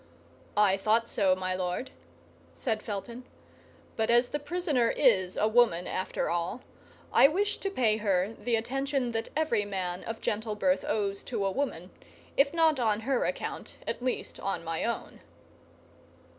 "I thought so, my lord," said Felton; "but as the prisoner is a woman, after all, I wish to pay her the attention that every man of gentle birth owes to a woman, if not on her account, at least on my own."